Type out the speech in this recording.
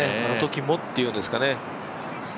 あのときもっていうんですかね。